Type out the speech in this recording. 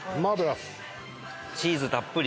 チーズたっぷり。